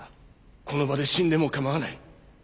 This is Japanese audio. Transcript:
この場で死んでも構わない！